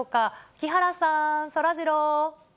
木原さん、そらジロー。